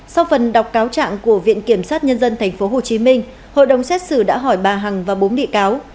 sau phần đọc cáo trạng của viện kiểm sát nhân dân tp hcm hội đồng xét xử đã hỏi bà hằng và bốn bị cáo